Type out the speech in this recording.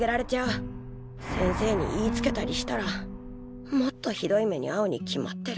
先生に言いつけたりしたらもっとひどい目にあうに決まってる。